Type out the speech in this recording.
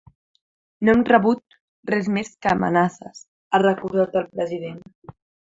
No hem rebut res més que amenaces, ha recordat el president.